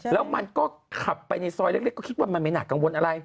แล้วมันก็ขับไปในซอยเล็กก็คิดว่ามันไม่น่ากังวลอะไร